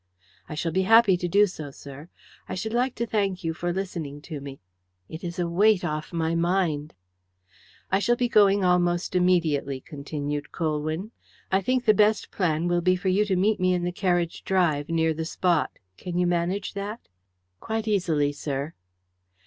"I shall be happy to do so, sir. I should like to thank you for listening to me. It is a weight off my mind." "I shall be going almost immediately," continued Colwyn. "I think the best plan will be for you to meet me in the carriage drive, near the spot. Can you manage that?" "Quite easily, sir."